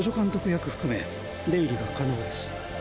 役含め出入りが可能です。